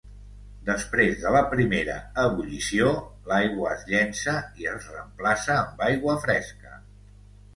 Després de la primera ebullició, l'aigua es llença i es reemplaça amb aigua fresca.